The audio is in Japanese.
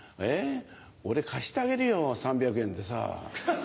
俺貸してあげるよ３００円でさ。